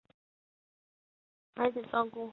还得照顾孩子